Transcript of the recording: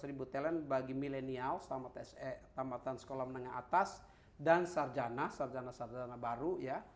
seratus ribu talent bagi milenial selamatan sekolah menengah atas dan sarjana sarjana sarjana baru ya